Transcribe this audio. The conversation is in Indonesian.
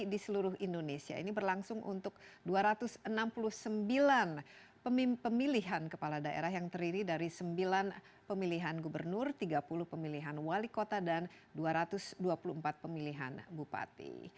di seluruh indonesia ini berlangsung untuk dua ratus enam puluh sembilan pemilihan kepala daerah yang terdiri dari sembilan pemilihan gubernur tiga puluh pemilihan wali kota dan dua ratus dua puluh empat pemilihan bupati